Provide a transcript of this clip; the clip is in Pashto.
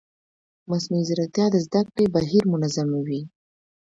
مصنوعي ځیرکتیا د زده کړې بهیر منظموي.